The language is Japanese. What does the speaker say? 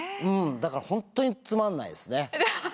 だから本当につまんないですね。